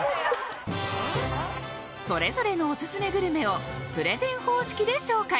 ぞれぞれのオススメグルメをプレゼン方式で紹介。